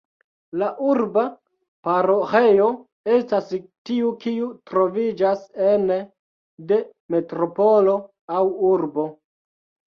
La urba paroĥejo estas tiu kiu troviĝas ene de metropolo aŭ urbo.